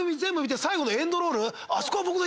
あそこは僕の。